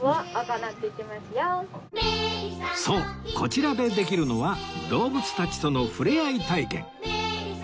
そうこちらでできるのは動物たちとのふれあい体験